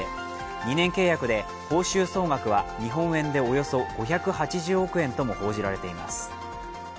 ２年契約で報酬総額は日本円でおよそ５８０億円とも報じられています。